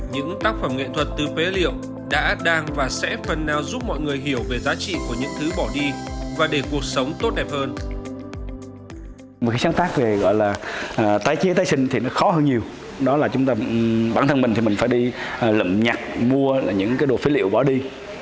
những tác phẩm nghệ thuật từ phế liệu đã đang và sẽ phần nào giúp mọi người hiểu về giá trị của những thứ bỏ đi